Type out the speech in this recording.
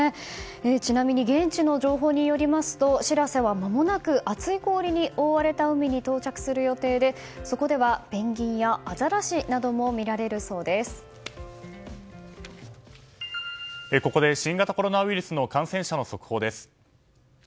ちなみに現地の情報によりますと「しらせ」は、まもなく厚い氷に覆われた海に到着する予定でそこではペンギンやここで新型コロナウイルスの感染者の速報です。